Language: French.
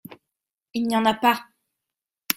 Il n’y en a pas !…